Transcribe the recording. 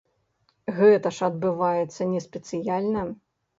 Гэта ж адбываецца не спецыяльна.